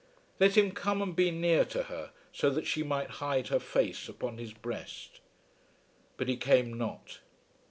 Let him come and be near to her, so that she might hide her face upon his breast. But he came not.